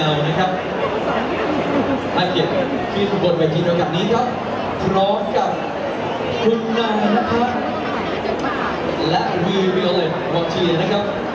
หากเกี่ยวกับคุณบนเวทีโอกาสนี้ครับพร้อมกับคุณนายนะคะและวิวิอเล็กวันที่นี้นะครับ